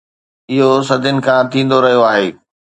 اهو صدين کان ٿيندو رهيو آهي